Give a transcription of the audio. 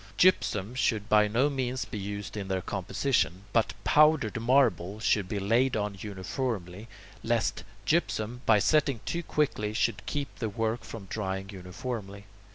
Gypsum should by no means be used in their composition, but powdered marble should be laid on uniformly, lest gypsum, by setting too quickly should keep the work from drying uniformly.